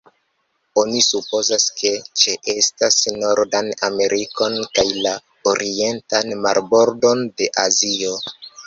Oni supozas, ke ĉeestas Nordan Amerikon kaj la orientan marbordon de Azio.